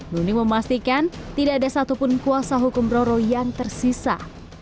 nuning memastikan tidak ada satupun kuasa hukum roro yang tersisa